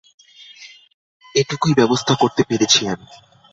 এটুকুই ব্যবস্থা করতে পেরেছি আমি।